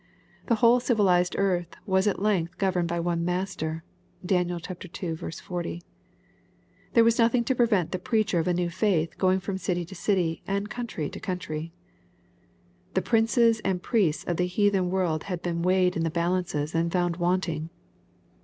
The whole civilized earth was at length governed by one master. (Dan. ii. 40.) There was nothing to prevent the preacher of a new faith going from city to city, and country to country. The princes and priests of the heathen world had been weighed in the balances and found wanting.